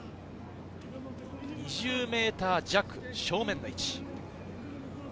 ２０ｍ弱、正面の位置。